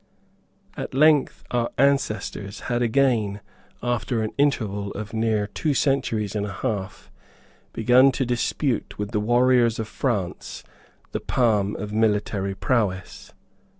At length our ancestors had again, after an interval of near two centuries and a half, begun to dispute with the warriors of France the palm of military prowess.